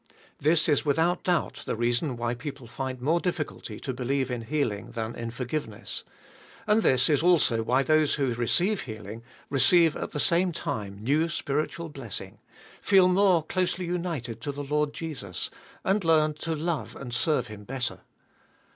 This is without doubt the reason why peo ple find more difficulty to believe in heal ing than in forgiveness; and this is also why those who receive healing receive at the same time new spiritual blessing, feel more closely united to the. Lord Jesus, and learn to love and serve Him better.